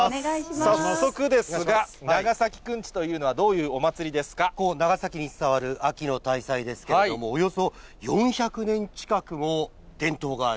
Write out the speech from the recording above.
早速ですが、長崎くんちといここ、長崎に伝わる秋の大祭ですけれども、およそ４００年近くも伝統がある。